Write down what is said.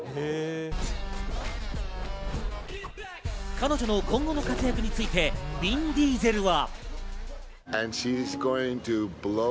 彼女の今後の活躍についてヴィン・ディーゼルは。